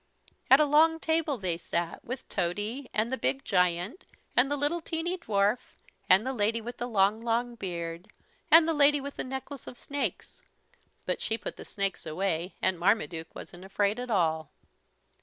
At a long table they sat, with Tody, and the big giant, and the little teeny dwarf, and the Lady with the Long Long Beard, and the Lady with the Necklace of Snakes. But she put the snakes away and Marmaduke wasn't afraid at all.